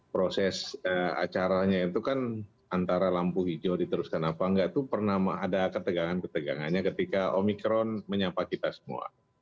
proses acaranya itu kan antara lampu hijau diteruskan apa enggak itu pernah ada ketegangan ketegangannya ketika omikron menyapa kita semua